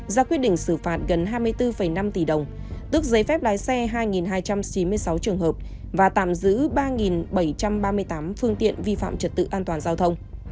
ra quyết định xử phạt gần hai mươi bốn năm tỷ đồng tước giấy phép lái xe hai hai trăm chín mươi sáu trường hợp và tạm giữ ba bảy trăm ba mươi tám phương tiện vi phạm trật tự an toàn giao thông